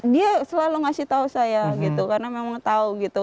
dia selalu ngasih tahu saya gitu karena memang tahu gitu